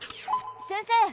先生